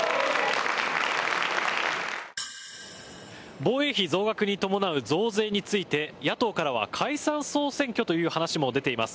防衛費増額に伴う増税について野党からは解散・総選挙という話も出ています。